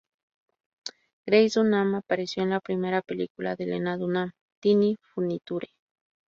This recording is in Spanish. Grace Dunham apareció en la primera película de Lena Dunham "Tiny Furniture".